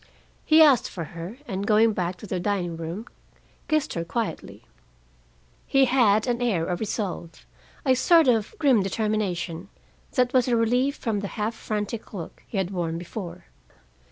He asked for her, and going back to the dining room, kissed her quietly. He had an air of resolve, a sort of grim determination, that was a relief from the half frantic look he had worn before.